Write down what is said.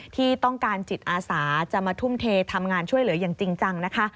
ที่ต้องการจิตอาสาจะมาทุ่มเททำงานช่วยเหลืออย่างจริงจังนะคะ